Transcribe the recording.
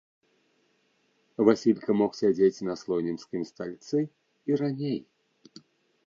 Васілька мог сядзець на слонімскім стальцы і раней.